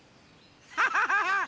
アハハハ！